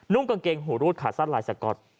นุ่มกางเกงหูรูดขาดส้าลายสะกด